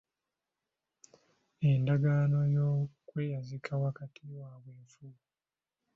Endagaano y'okweyazika wakati waabwe nfu.